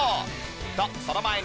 とその前に。